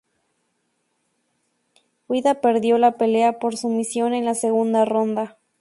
Guida perdió la pelea por sumisión en la segunda ronda.